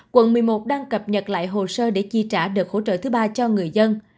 quận một mươi một đang cập nhật lại hồ sơ để chi trả đợt hỗ trợ thứ ba cho người dân